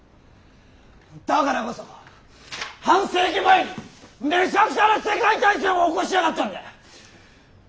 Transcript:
だからこそ半世紀前にめちゃくちゃな世界大戦を起こしやがったんだ！